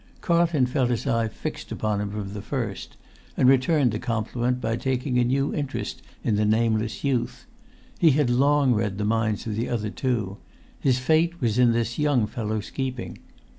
Carlton felt his eye upon him from the first, and returned the compliment by taking a new interest in the nameless youth; he had long read the minds of the other two; his fate was in this young fellow's keeping.